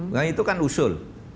nah itu kan usul